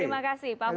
terima kasih pak fahmi